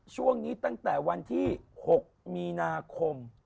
ช่วงนี้ตั้งแต่วันที่๖มีนาคม